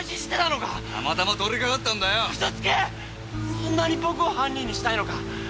そんなに僕を犯人にしたいのか？